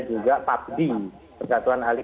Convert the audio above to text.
juga papdi persatuan alih